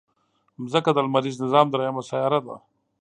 مځکه د لمریز نظام دریمه سیاره ده.